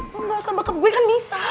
lu gak usah bakat gue kan bisa